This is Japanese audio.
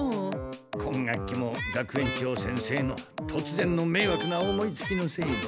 今学期も学園長先生のとつぜんのめいわくな思いつきのせいで。